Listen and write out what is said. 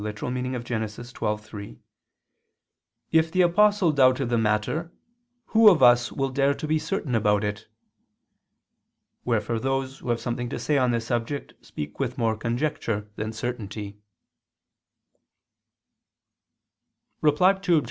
xii, 3): "If the Apostle doubted the matter, who of us will dare to be certain about it?" Wherefore those who have something to say on this subject speak with more conjecture than certainty. Reply Obj.